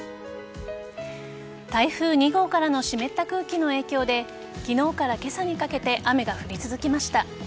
台風２号からの湿った空気の影響で昨日から今朝にかけて雨が降り続きました。